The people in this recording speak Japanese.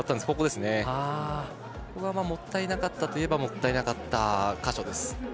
そこがもったいなかったといえばもったいなかった箇所です。